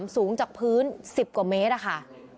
สูงจากพื้น๑๐กว่าเมตรค่ะ